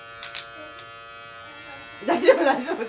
大丈夫大丈夫。